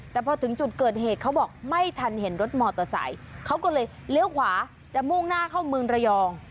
แต่พอถึงจุดเกิดเหตุเขาบอกไม่ทันเห็นรถมอเตอร์ไซค์เขาก็เลยเลี้ยวขวาจะมุ่งหน้าเข้าเมืองระยอง